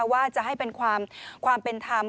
ว่าจะให้เป็นความเป็นธรรม